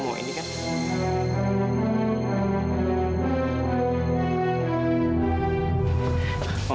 mama kan yang berjantan